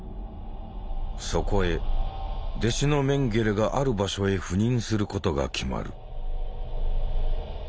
そこへ弟子のメンゲレがある場所へ赴任することが決まる。